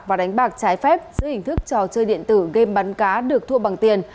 và đánh bạc trái phép giữa hình thức trò chơi điện tử game bắn cá được thua bằng tiền